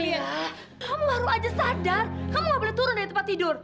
mila kamu harus saja sadar kamu nggak boleh turun dari tempat tidur